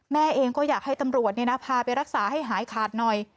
แม่เองก็อยากให้ตำรวจพาไปรักษาให้หายขาดหน่อย